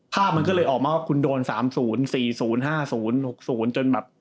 ภาพมันก็เลยออกมาว่าคุณโดน๓๐๔๐๕๐๖๐จนแบบ